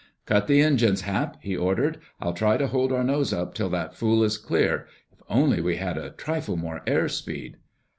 "Cut the engines, Hap!" he ordered. "I'll try to hold our nose up till that fool is clear. If only we had a trifle more airspeed...."